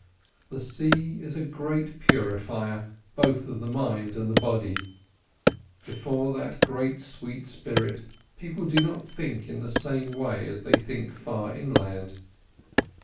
The sea is a great purifier, both of the mind and the body; before that great sweet spirit people do not think in the same way as they think far inland.